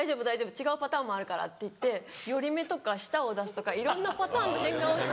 違うパターンもあるから」って言って寄り目とか舌を出すとかいろんなパターンの変顔して。